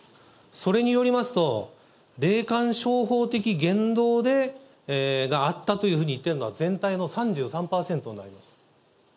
それによりますと、霊感商法的言動があったというふうに言っているのは、全体の３３％になります。